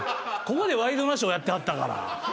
ここで『ワイドナショー』やってはったから。